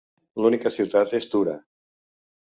L'única ciutat és Tura.